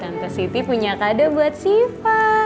tante siti punya kade buat siva